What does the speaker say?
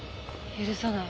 許さない